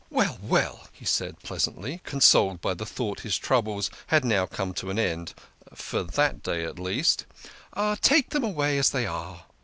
" Well, well," he said pleasantly, consoled by the thought his troubles had now come to an end for that day at least " take them away as they are."